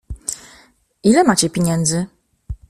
"Ile macie pieniędzy?"